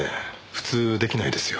普通出来ないですよ。